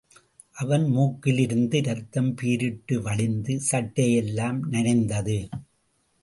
அவன் மூக்கிலிருந்து ரத்தம் பீரிட்டு வழிந்து சட்டையெல்லாம் நனைந்தது.